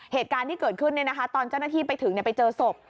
เหตุการณ์ที่เกิดขึ้นตอนเจ้าหน้าที่ไปถึงไปเจอศพ